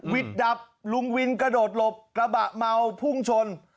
ดับลุงวินกระโดดหลบกระบะเมาพุ่งชน